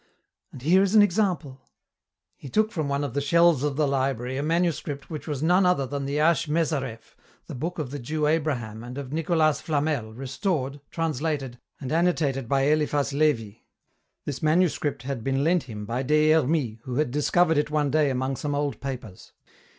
And here is an example." He took from one of the shelves of the library a manuscript which was none other than the Asch Mezareph, the book of the Jew Abraham and of Nicolas Flamel, restored, translated, and annotated by Eliphas Levi. This manuscript had been lent him by Des Hermies, who had discovered it one day among some old papers.